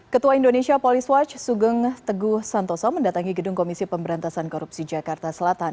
ketua indonesia police watch sugeng teguh santoso mendatangi gedung komisi pemberantasan korupsi jakarta selatan